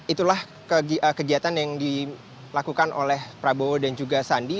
itulah kegiatan yang dilakukan oleh prabowo dan juga sandi